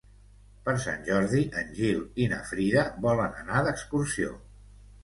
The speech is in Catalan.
Per Sant Jordi en Gil i na Frida volen anar d'excursió.